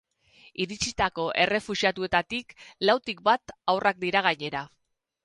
Iritsitako errefuxiatuetatik lautik bat haurrak dira gainera.